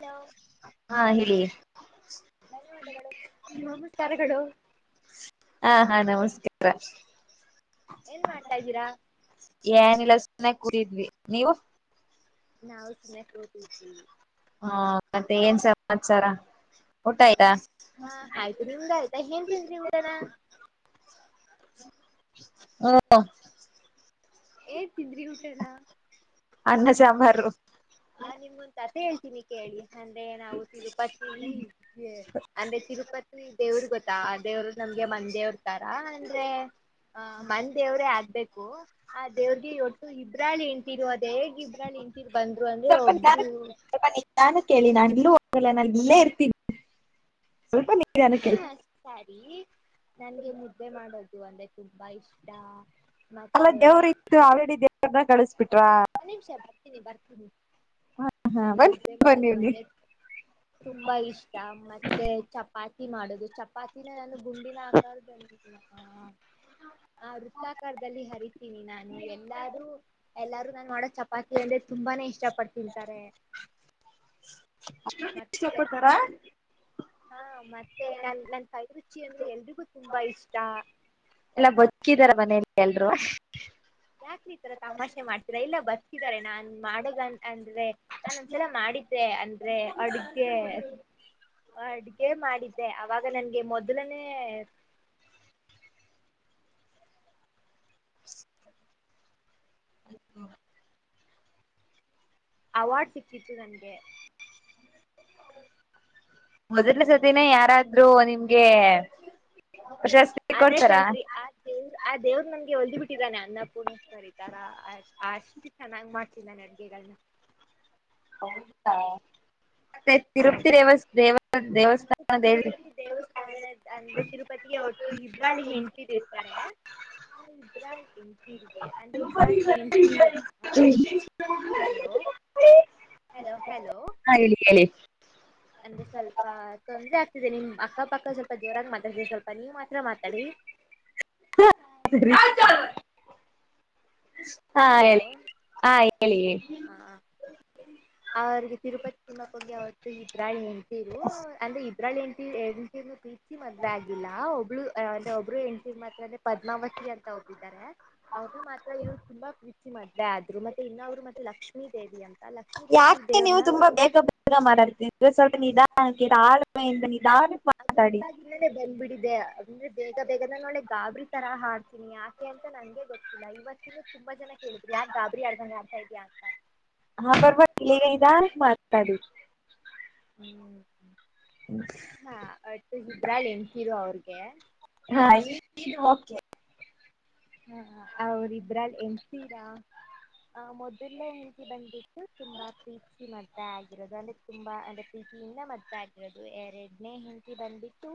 Hello ಹಾ ಹೇಳಿ. ರೋಮು ಸ್ಥಳಗಳು ಹಾ ಹಾ ನಮಸ್ಕಾರ. ಏನ್ ಮಾಡ್ತಾ ಇದೀರಾ ಯಾರಿಲ್ಲ ಸುಮ್ಮನೆ ಕೂಡಿದ್ದೀವಿ ನೀವು ನಾವು ಸುಮ್ಮನೆ ಕುಂತಿದ್ದಿವಿ ಹ ಮತ್ತೆ ಏನ್ ಸಮಾಚಾರ ಊಟ ಆಯ್ತಾ ಆ ಆಯ್ತು ಊಟ ನಿಮ್ಮದು ಆಯ್ತಾ ಊಟ ಏನ ತಿಂದರಿ ಊಟಾ [unintelligible] ಏನ್ ತಿಂದರಿ ಊಟನಾ ಅನ್ನ ಸಾಂಬಾರು ನಾ ನಿಮಗೊಂದು ಕಥೆ ಹೇಳ್ತೀನಿ ಕೇಳಿ ಸಂಡೇ ಏನಾಗುತ್ತೆ ಅಂದ್ರೆ ತಿರುಪತಿ ದೇವರು ಗೊತ್ತಾ ದೇವರು ನಮಗೆ ಮನೆದೇವರು ತರಾ ಅ ಅಂದ್ರೆ ಮನೆ ದೇವರೇ ಆಗಬೇಕು [inaudible] ಆ ದೇವರಿಗೆ ಇವತ್ತು ಇಬ್ಬರು ಹೆಂಡತಿಯರು ನಾನು ಕೇಳಿನಿ ನಾ ಇಲ್ಲೇ ಇರ್ತೀನಿ ಸ್ವಲ್ಪ ನಿಧಾನಕ್ಕೆ ಹು ಹೇಳಿ ನನಗೆ ಮುದ್ದೆ ಮಾಡೋದು ಒಂದೇ ಬೈಸ್ಟ್ [unintelligible] ಒಂದ ನಿಮಿಷ ಬರ್ತೀನಿ ಬರ್ತೀನಿ ಹಾ ಬೆಳಿಗ್ಗೆ ಬನ್ನಿ ನಿದ್ದೆ ಬನ್ನಿ ಬನ್ನಿ ಮಾಡೋದು ತುಂಬಾ ಇಷ್ಟ ಆರತಿ ಮಾಡೋದು ಚಪಾತಿನೆ ನಾ ಗುಂಡಿನ ಆಕಾರದಲ್ಲಿ ಹಾ ವೃತ್ತಾಕಾರದಲ್ಲಿ ಅರಿತೀನಿ ನಾನು ಎಲ್ಲಾರೂ ನಾನು ಮಾಡೋ ಚಪಾತಿ ಅಂದರೆ ತುಂಬಾ ನೇ ಇಷ್ಟ ಪಟ್ಟು ತಿಂತಾರೆ ಅಸ್ಟೊಂದು [unintelligible] ಆ ಮತ್ತೆ ನನ್ನ ಕೈ ರುಚಿ ಅಂದ್ರೆ ಎಲ್ಲರಿಗೂ ತುಂಬಾ ಇಷ್ಟ ಎಲ್ಲ ಬದುಕಿದಾರ ಮನೇಲಿ ಎಲ್ರು ಯಾಕೆ ನೀವು ಈ ತರಾ ತಮಾಷೆ ಮಾಡ್ತೀರಾ ಎಲ್ಲಾ ಬದಕಿದಾರ ಇಲ್ಲಾ ನಾ ಮಾಡೋ ಅಂದ್ರೆ ನಾನು ಒಂದು ಸಲ ಮಾಡಿದ್ದೇನೆ ಅಂದ್ರೆ ಅಡುಗೆ ಅಡುಗೆ ಮಾಡಿದ್ದೆ ಅವಾಗ ನನಗೆ ಮೊದಲನೇ ಅವಾಗ ಸಿಕ್ಕಿದು ನನಗೆ ಹು [unintelligible] ಇದು ನಿಮಗೆ ಅದೇ ಕಣ್ರಿ ಆ ದೇವ್ರು ಆ ದೇವ್ರು ನನಗೆ ಓಲದ ಬಿಟ್ರೆ ಕೊಟ್ಟಿದ್ದಾನೆ ಅನ್ನಪೂರ್ಣೇಶ್ವರಿ ತರಾ ಅಷ್ಟು ಚೆನ್ನಾಗಿ ಮಾಡ್ತಾಯಿದ್ದಾನೆ ಅಡುಗೆಗಳನ್ನ ಹೌದಾ [unintelligible] ದೇವಸ್ಥಾನದ ಹೇಳಿ ತಿರುಪತಿ ದೇವಸ್ಥಾನ ಅಂದ್ರೆ ತಿರುಪತಿಗೆ ಹೊರಟುಹೋಗಿದ್ದಾರೆ ಅಲ್ಲಿ ಹೆಂಡತಿಯರೂ ಇರುತ್ತಾರೆ ಅಲ್ಲಿ ಇಬ್ರೂ ಹೆಂಡತಿಯರನ್ ಹಲೋ ಹಲೋ ಆ ಹೇಳಿ ಹೇಳಿ. ನಂಗೆ ಸ್ವಲ್ಪ ತೊಂದ್ರೆ ಆಗ್ತಿದೆ ನಿಮ್ ಅಕ್ಕ ಪಕ್ಕ ಸ್ವಲ್ಪ ಜೋರಾಗಿ ಮಾತಾಡುತ್ತಿದ್ದಾರೆ ಸ್ವಲ್ಪ ನೀವ್ ಮಾತಾಡಿ. ಶಬ್ದ. ಆ ಜಾನ್. ಆ ಹಲೋ ಹೇಳಿ ಆ ಹೇಳಿ ಹೇಳಿ. ಆ ತಿರುಪತಿ ತಿಮ್ಮಪ್ಪನಿಗೆ ಇಬ್ರೂ ಹೆಣ್ತಿರು ಅದೇ. ಎರಡು ಹೆಂಡ್ತಿನು ಪ್ರೀತಿ ಮದ್ವೆ ಆಗಿಲ್ಲ ಒಬ್ಬಳು ಅಂದ್ರೆ ಒಬ್ರು ಹೆಂಡ್ತಿ ಮಾತ್ರ ಪದ್ಮಾವತಿ ಅಂತ ಒಬ್ರು ಇದಾರೆ ಅವ್ರುನ ಮಾತ್ರ ಇವ್ರು. ಪ್ರೀತಿಸಿ ಮದ್ವೆ ಆದ್ರೂ ಮತ್ತೆ ಇನ್ನೊಬ್ಬರು ಮತ್ತೆ ಲಕ್ಷ್ಮಿ ದೇವಿ ಅಂತ ಲಕ್ಷ್ಮಿ ದೇವಿ ಯಾಕೆ ಅಂದ್ರೆ ಸ್ವಲ್ಪ ನಿದಾನಕ್ಕೆ. ನಂದು ಊಟ ಆದ್ಮೇಲೆ ಬಂದ್ಬಿಟ್ಟಿದೆ ಅಂದ್ರೇ ಬೇಗ ಬೇಗನೆ ಒಳ್ಳೇ ಗಾಬರಿ. [unintelligible] ಯಾಕೆ ಅಂತ ನನಗೆ ಗೊತ್ತಿಲ್ಲ. ದೈವತ್ತಿನ ತುಂಬಾ ಜನ ಕೇಳಿದ್ರು ಯಾಕ್ ಗಾಬರಿ ಆದ್ದಂಗೆ ಆಡ್ತಾ ಇದೀಯ ಅಂತ. ಹಾ ಪರವಾಗಿಲ್ಲ ಈಗ ನಿಧಾನಕ್ಕೆ ಮಾತಾಡಿ [inaudible] ಆ ಬಟ್ ಹೀರೋ ಇಬ್ರಾಹಿಂ ಅವರಿಗೆ ಏ ಆ ಈಗ ಓಕೆ ಆ ಆ ಇಬ್ರಾಹಿಂ. ಎತ್ತಿರ. ಮೊದಲಿಂದ ಹೆಂಡ್ತಿ ಬಂದ್ಬಿಟ್ಟು ತುಂಬಾ ಪ್ರೀತಿಸಿ ಮದ್ವೆ ಆಗಿರೋದು ಅಂದ್ರೆ ತುಂಬಾ ಪ್ರೀತಿಯಿಂದ ಮದ್ವೆ ಆಗಿರೋದು ಎರಡನೇ ಹೆಂಡ್ತಿ ಬಂದ್ಬಿತ್ತು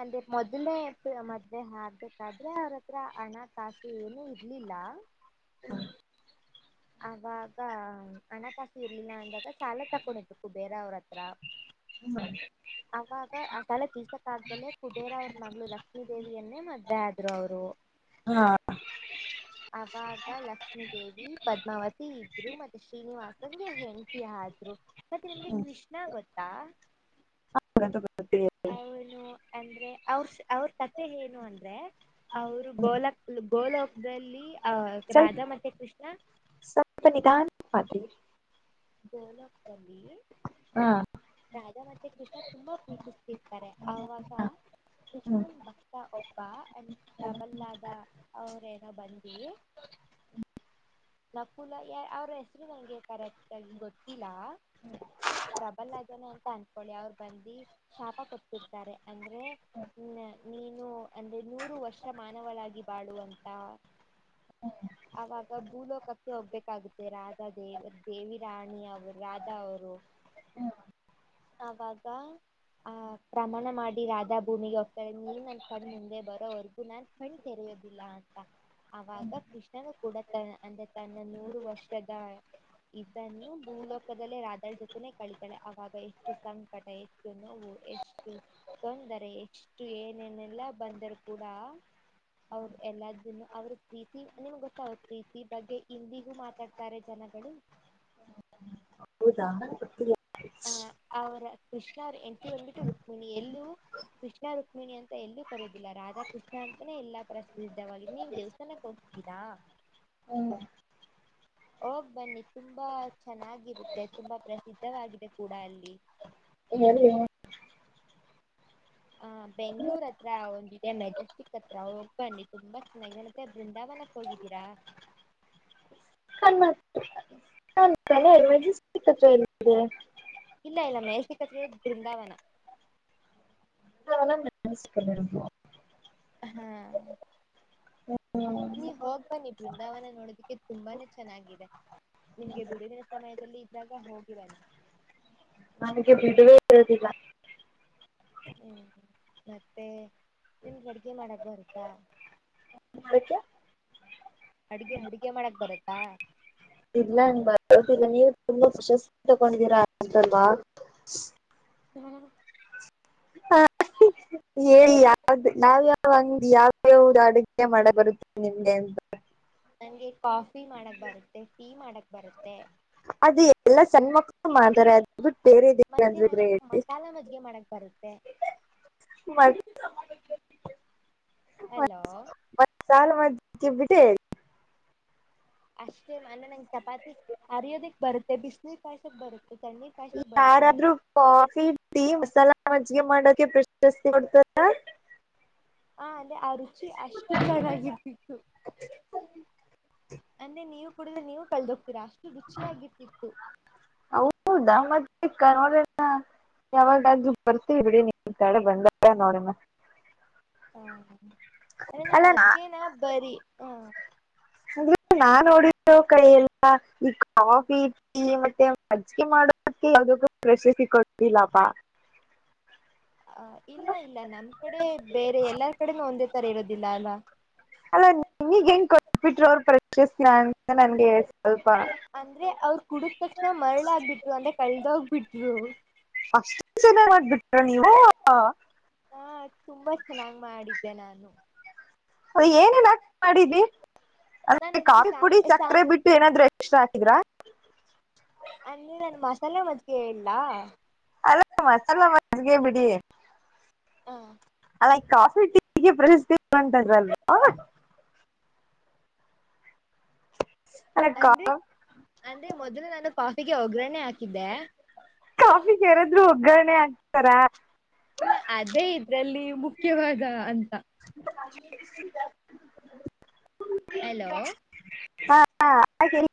ಅಂದ್ರೆ ಮೊದಲನೇ ಹೆಂಡ್ತಿ ಮತ್ತೆ ಆಗ್ಬೇಕಾದ್ರೆ ಅವ್ನ ಅತ್ರ. ಹಣಕಾಸು ಏನೂ ಇರ್ಲಿಲ್ಲ. [unintelligible] ಆಗಾಗ ಹಣಕಾಸು ಇರ್ಲಿಲ್ಲ ಅಂದ್ರೆ ಸಾಲ ತೊಗೊನೋದು ಬೇರೊರ್ ಅತ್ರ. ಆಗಾಗ ತಲೆ ಬಿಸಿಕಾಗ್ದೆ ಕುಬೇರ ಅವರ ಮಗಳು ಲಕ್ಷ್ಮಿ ದೇವಿಯನ್ನೇ ಮದ್ವೆ ಆದ್ರೂ. ಮದ್ವೆ ಆದ್ರೂ ಅವರು. ಆ... ಆವಾಗ ಲಕ್ಷ್ಮೀದೇವಿ. ಪದ್ಮಾವತಿ ಇಬ್ರೂನು ಮತೆ ಶ್ರೀನಿವಾಸನಿಗೆ ಹೆಂಡ್ತಿ ಆದ್ರೂ, ಮತೆ ಕೃಷ್ಣ ಗೊತ್ತಾ. ಗೊತ್ತಿಲ್ಲ, ಇವ್ನು ಅಂದ್ರೆ ಅವರ ಅವರ ಕತೆ ಏನು ಅಂದ್ರೆ. ಅವರು ಬೋಲಕ್ಕುಬ್ ಭೂ ಲೋಕದಲ್ಲಿ. ಅಹ್, ರಾಜ ಮತ್ತೇ ಕೃಷ್ಣ. ಸಪ್ತ ಮಿತಾ ಖಾತೆಯ. ಡೊಲಕಲ್ಲಿ ಹಾ ರಾಧ ಮತ್ತೆ ಕೃಷ್ಣ ತುಂಬ ಪ್ರೀತಿಸ್ತಿರ್ತಾರೆ ಅವಾಗ ಹ್ಮ್ ಕೃಷ್ಣ ಭಕ್ತ ಒಬ್ಬ. [unintelligible] ತಬಲಾದ ಅವರೆ. ನಾ ಬಂದಿ ನಕುಲ ಯಾ ಅವರೆ ಹೆಸರೇ ನನಗೆ. [unintelligible] ನಂಗ್ ಗೊತ್ತಿಲ್ಲ ಪ್ರಬಲಗೆ ಅಂತನೆ ಅಂದುಕೊಳ್ಳಿ ಅವರು ಬಂದಿ ಶಾಪ ಕೊಟ್ಬಿಡ್ತಾರೆ ಅಂದರೆ [unintelligible] ನೀನು ಅಂದ್ರೆ ನೂರು ವರ್ಷ ಮಾನವಳಾಗಿ. ಬಾಳುವಂತ. [inaudible] ಅವಾಗ. ಭೂ ಲೋಕಕ್ಕೆ ಹೋಗ್ಬೇಕಾಗುತ್ತೆ ರಾಜ ದೇವ್ ಪ್ರೇಮಿ ರಾಣಿ ಅವರು ರಾಧ ಅವರು ಅವಾಗ ಆಹಾ ಪ್ರಮಾಣ ಮಾಡಿ ಋಅಧ ಭೂಮಿಗೆ ಹೋಗ್ತಾರೆ, ನೀನ್ ನನ್ ಕಣ್ ಮುಂದೆ ಬರೋವರ್ಗು ನಾನ್ ಕಣ್ ತೆರೆಯೋದಿಲ್ಲ ಅಂತ, ಅವಾಗ ಕ್ರಿಷ್ಣನು ಕೂಡ ತನ್ ತನ್ನ ನೂರು ವರ್ಷದ ಇದನ್ನೂ ಭೂಲೋಕದಲ್ಲಿ ರಾಜನ ಜೊತೆ ಕಳಚುತ್ತಾರೆ, ಆಗಾಗ ಎಷ್ಟು ಸಂಕಟತೆ ಎಷ್ಟು ನೋವು ಎಷ್ಟು ತೊಂದರೆ ಎಷ್ಟು ಏನೇನೆಲ್ಲ ಬಂದರು ಕೂಡ ಅವರು ಎಲ್ಲದನನ್ನು ಅವರು ಪ್ರೀತಿ ನಿಮಗೆ ಗೊತ್ತಾ ಅವರು ಪ್ರೀತಿ ಬಗ್ಗೆ ಇಂದಿಗೂ ಮಾತಾಡ್ತಾರೆ ಜನಗಳು. ಹೋದಾ. [unintelligible] ಅಹ್ ಅವರಾ ಕೃಷ್ಣ ಅವರು ಹೆಂಡತಿ ಬಂದು ಬಿಟ್ಟು ರುಕ್ಮಿಣಿ, ಎಲ್ಲೂ ಕೃಷ್ಣ ರುಕ್ಮಿಣಿ ಅಂತ ಎಲ್ಲೂ ಕರೆದಿಲ್ಲ ರಾಧಾ ಕೃಷ್ಣ ಅಂತಾನೆ ಎಲ್ಲ ಪ್ರಸಿದ್ಧವಾಗಿದೆ. ನೀವು ದೇವಸ್ತಾನಕ್ಕೆ ಹೋಗಿದ್ದೀರ? ಹೋಗ್ ಬನ್ನಿ, ತುಂಬಾ ಚೆನ್ನಾಗಿ ಇರುತ್ತೆ, ತುಂಬಾ ಪ್ರಸಿದ್ಧವಾಗಿದೆ ಕೂಡ ಅಲ್ಲಿ. [unintelligible] ಆಹ್, ಬೆಂಗಳೂರು ಹತ್ತಿರ ಒಂದು ದಿನ ಮೆಜೆಸ್ಟಿಕ್ ಹತ್ತಿರ ಹೋಗಿ ಬನ್ನಿ ತುಂಬಾ ಚೆನ್ನಾಗಿದೆ. ಮತ್ತೆ ಬೃಂದಾವನಕ್ಕೆ ಹೋಗಿದ್ದೀರ? [unintelligible] ಮೆಜೆಸ್ಟಿಕ್ ಹತ್ತಿರ [unintelligible] ಇಲ್ಲ ಇಲ್ಲ ಮೆಜೆಸ್ಟಿಕ್ ಹತ್ತಿರ ಇರೋದು ಬೃಂದಾವನ. [unintelligible] ಅಹ್ಹಾ ನೀನು ಹೋಗಿ ಬನ್ನಿ ಬೃಂದಾವನ ನೋಡೋದಿಕ್ಕೆ, ತುಂಬಾನೆ ಚೆನ್ನಾಗಿ ಇದೇ ನಿಮಗೆ ಬಿಡುವಿನ ಸಮಯದಲ್ಲಿ ಇದ್ದಾಗ ಹೋಗುತ್ತಿರಾ. [inaudible] ನನಗೆ ನಿದ್ದೆನೆ ಬರೋದಿಲ್ಲ. ಉಮ್, ಮತ್ತೆ ನಿಮ್ಮಗೆ ಅಡುಗೆ ಮಾಡಕ ಬರುತ್ತ? ಅದಕ್ಕೆ ಅಡುಗೆ ಅಡುಗೆ ಮಾಡಕ ಬರುತ್ತಾ? [unintelligible] ಪ್ರಶಸ್ತಿ ತಗೊಂಡಿದ್ದೀರ ಅಲ್ವಾ. ಉಮ್ ಅಹ್, [unintelligible] ಹೇಳಿ ಯಾರದು ನಾವು. [unintelligible] ನಿನಗೆ ಕಾಫಿ ಮಾಡೋಕೆ ಬರುತ್ತೆ, ಟೀ ಮಾಡೋಕೆ ಬರುತ್ತೆ. [unintelligible] ಇದು ಕೊರಿಯಾ. [unintelligible] ಅಹ್ [inaudible] ಮತ್- ಹಲೋ. [unintelligible] ಅಷ್ಟೆ ಮಾಣನ್ ಚಪಾತಿ. [unintelligible] [inaudible] ಬರುತ್ತೆ ತಣ್ಣೀರ್ ಕಾಯ್ಸಕ್ [inaudible] ಬರುತ್ತೆ ಯಾರಾದರೂ. [unintelligible] ಮಜ್ಗೆ ಮಾಡೋಕೆ ಬಿಸ್ ಎಷ್ಟ್ ಕೊಡ್ತಾರಾ ಹಾ ಅದೇ ಆ ರುಚಿ ಅಷ್ಟು ಚೆನಾಗಿದ್ದಿತ್ತು. ಅಂದ್ರೇ ನೀವು ಕುಡಿದ್ರೆ ನೀವು ಕಲದ್ ಹೋಗ್ತೀರಾ ಅಷ್ಟು ರುಚಿಯಾಗಿದ್ದಿತ್ತು ಹೌದಾ ಮತ್ತೆ ಕ- ನೋಡೋಣ ಯಾವಾಗಾದ್ರೂ ಬರ್ತೀವಿ ಬಿಡಿ ನಿಮ್ ಕಡೆ ಬಂದಾಗ ನೋಡ್ತಿವಿ ಅರೆ ನಾನ್ ಮಜ್ಗೆನಾ ನಾ- ಬರಿ ಹ್ಮ್ಮ್ಮ್ [inaudible] ಇಲ್ಲಾ ಇಲ್ಲಾ ನಮಕಡೆ ಬೇರೆ ಎಲ್ಲರಕಡೆನೂ ಒಂದೇತರಾ ಇರೋದಿಲ್ಲ ಅಲ್ವಾ ಅಲ್ಲಾ ನಿಮಗ್ ಹೆಂಗ್ ಕೋಟಬಿಟ್ರು ಅವರ ಪರ್ಚೆಸನಾ ಅಂತ ನಂಗೆ ಅಂದ್ರೇ ಅವ್ರು ಹುಡುತಕ್ಷಣ ಮಾರಾಳಗ್ಬಿಟ್ಲು ಅಂದ್ರೇ ಕಾಲ್ದೊಗ್ಬಿಟ್ಲು [unintelligible] ರೂಯೂ ಅಷ್ಟು ಚೆನ್ನಾಗ್ ಮಾಡ್ಬಿಟ್ರ ನೀವೂ ಹಾ ತುಂಬಾ ಚೆನ್ನಾಗ್ ಮಾಡಿದ್ದೆ ನಾನು ಏನ್ ಏನ್ ಹಾಕಿ ಮಾಡಿದ್ರಿ ನಾನ್ ಅದಕ್ಕೆ ಕಾಫಿ ಸಾಮ್ ಪುಡಿ ಮತ್ತೆ ಸಕ್ರೆ ಸಾಮ್ ಬಿಟ್ಟು ಬೇರೆ ಏನಾದ್ರು ಎಕ್ಸ್ಟ್ರಾ ಹಾಕಿದ್ರಾ ಅಂದ್ರೆ ನಾನು ಮಸಾಲೆ ಮಜ್ಗೆ ಹೇಳ್ಲಾ ಅಲ್ಲಾ ಮತ್ತ್ ಅಲಾ ಅಲ್ಲಿಗೆ ಬಿಡಿ ಹಾ ಅಲ್ಲಾ ಈ ಕಾಫಿ ಟೀಗೇ ಪ್ರಶಸ್ತಿ [unintelligible] ಅಲ್ಲ ಅಂದ್ರೆ ಕಾ- ಅಂದ್ರೆ ಮೊದಲ ನಾನು ಕಾಫಿ ಗೇ ಒಗ್ಗರಣೆ ಹಾಕಿದ್ದೆ ಕಾಫಿಗ್ ಯಾರಾದ್ರೂ ಒಗ್ಗರಣೆ ಹಾಕ್ತಾರಾ ಇಲ್ಲಾ ಅದೇ ಇದರಲ್ಲಿ ಮುಖ್ಯವಾದ ಹಂತ ಹೆಲೋ ಹಾ ಹೇಳಿ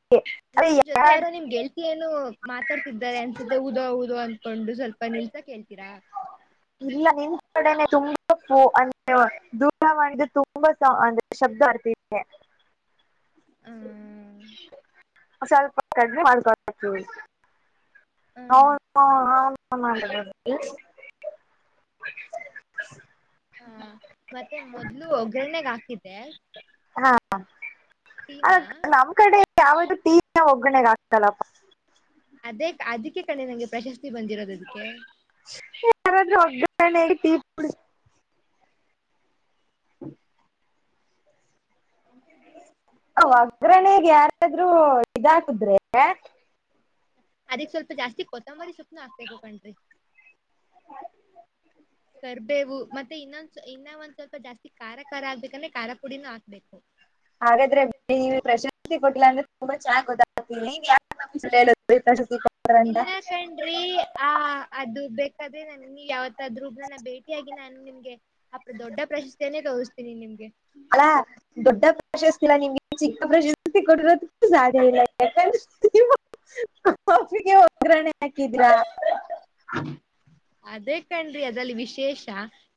ನಿಮ್ ಜೊತೆ ಯಾರೋ ನಿಮ್ ಗೆಳತಿ ಏನೋ ಮಾತಾಡ್ತಿದ್ದಾರೆ ಅನ್ಸುತ್ತೆ ಊಟ ಉದೋ ಉದೋ ಅನ್ಕೊಂಡು ಸ್ವಲ್ಪ ನಿಲ್ಸಕ್ ಹೇಳ್ತೀರಾ ನಿಮ್ಕಡೆನೇ ತುಂಬಾ ಅಂದ್ರೆ ತುಂಬಾ ಸೌಂಡ್ ಅಂದ್ರೆ ಶಬ್ಧ ಬರತೈತೆ ಸ್ವಲ್ಪ ಕಡಿಮೇಮಾಡ್ಕೋಬೇಕು ಹ ಹ [unintelligible] [inaudible] ಹಾ ಮತ್ತೆ ಮೊದ್ಲು ಒಗ್ಗರಣೆಗೇ ಹಾಕಿದ್ದೆ ಹಾ ಟೀನಾ ಯಾವಳು ಟೀಗೆ ಒಗ್ಗರಣೆ ಹಾಕ್ತಾಲ್ ಅಪ್ಪಾ ಅದೆ ಅದಿಕ್ಕೆ ಕಣೆ ನಂಗೆ ಪ್ರಶಸ್ತಿ ಸಿಕ್ಕಿದ್ದು ಸ್ತಿ ಬಂದಿರೋದ ಅದಿಕ್ಕೆ ಯಾರಾದ್ರೂ ಒಗ್ಗರಣೆಗೆ ಟೀ ಪುಡಿ [unintelligible] [unintelligible] [unintelligible] ಅದಕ್ಕೆ ಸ್ವಲ್ಪ ಜಾಸ್ತಿ ಕೊತ್ತಂಬರಿ ಸೊಪ್ಪನೂ ಹಾಕಬೇಕು ಕಣ್ರೀ. ಕರಿಬೇವು ಮತ್ತೆ ಇನ್ನ ಸ್ವಲ್ಪ ಜಾಸ್ತಿ ಕಾರ ಕಾರ ಆಗ್ಬೇಕು ಅಂದ್ರೆ ಕಾರಪುಡೀನು ಹಾಕ್ಬೇಕು [unintelligible] [unintelligible] ಇಲ್ಲ ಕಂಡ್ರಿ ಅ ಅದು ಬೇಕಾದ್ರೆ ನಾನು ಇನ್ನು ಯಾವತ್ತಾದ್ರೂ ಇನ್ನು ಬೇಕೇ ಆಗಿದ್ರು ನೂ ನಿಮ್ಗೆ ಅಕಾ ದೊಡ್ಡ ಪ್ರಶಸ್ತಿಯನ್ನೇ ಕಳಿಸ್ತೀನಿ ನಿಮಗೆ [unintelligible] ಸಾಸಿಗೆ ಒಗ್ಗರಣೆ ಹ್ಹಾಕಿದ್ರೆ ಅದೇ ಕಣ್ರಿ ಆದರಲ್ಲಿ ವಿಶೇಷ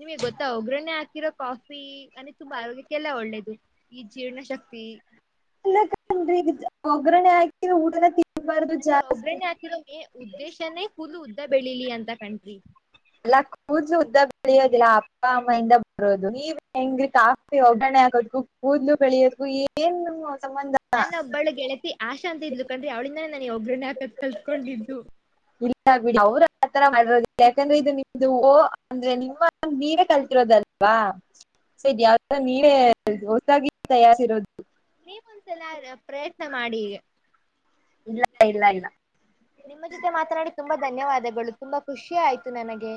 ನಿಮಗ್ ಗೊತ್ತ ಒಗ್ಗರಣೆ ಹಾಕಿದ ಕಾಫಿ ನನಗ್ ಆರೋಗ್ಯಕ್ ತುಂಬಾ ಒಳ್ಳೇದ್ ಈ ಜೇನ ಶಕ್ತಿ [unintelligible] [unintelligible] ಅಂದ್ರೆ ಜಾ ಒಗ್ಗರಣೆ ಹಾಕಿರದೆ ಉದ್ದೇಶಾನೇ ಕೂದಲು ಉದ್ದ ಬೆಳಿಲಿ ಅಂತ ಕಂಡ್ರಿ ಅಲ್ಲ ಕೂದಲು ಉದ್ದ ಬೆಳಿಲಿ ನೀವು ಒಗ್ಗರಣೆ ಹಾಕದಕ್ಕು ಕೂದಲು ಬೆಳೆಯಕ್ಕೂ ಏನು ನೆನ್ನೆ ಬೆಳಿಗ್ಗೆ ಲೆತ್ತಿಜ್ಜಾತ ಅಶ್ [inaudible] ಹೇ ಅವಳಿಂದನೆ ನಾನು ಒಗ್ಗರಣೆ ಹಾಕದ್ ಕಲ್ತಿದ್ದು ಇಲ್ಲ ಬಿಡಿ ಅವ್ರ ಆತರ [unintelligible] ನೀವು ಒಂದು ಸಲ ಪ್ರಯತ್ನ ಮಾಡಿ ಇಲ್ಲ ಇಲ್ಲ ಇಲ್ಲ ನಿಮ ಜೊತೆ ಮಾತನಾಡಿ ತುಂಬಾ ಧನ್ಯವಾದಗಳು. ತುಂಬಾ ಖುಷಿ ಆಯ್ತು ನನಗೆ